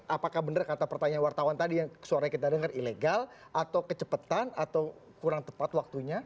apakah benar kata pertanyaan wartawan tadi yang suaranya kita dengar ilegal atau kecepatan atau kurang tepat waktunya